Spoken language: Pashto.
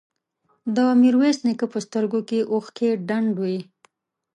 د ميرويس نيکه په سترګو کې اوښکې ډنډ وې.